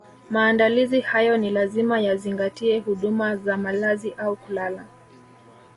Maandalizi hayo ni lazima yazingatie huduma za malazi au kulala